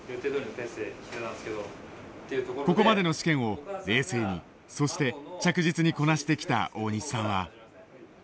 ここまでの試験を冷静にそして着実にこなしてきた大西さんは。